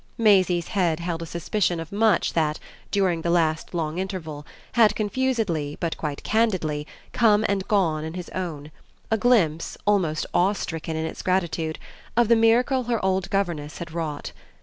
Maisie's head held a suspicion of much that, during the last long interval, had confusedly, but quite candidly, come and gone in his own; a glimpse, almost awe stricken in its gratitude, of the miracle her old governess had wrought.